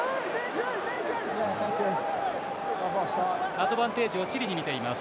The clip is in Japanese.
アドバンテージをチリに見ています。